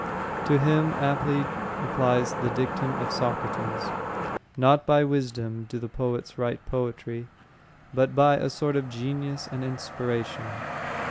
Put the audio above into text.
To him aptly applies the dictum of Socrates: "Not by wisdom do the poets write poetry, but by a sort of genius and inspiration."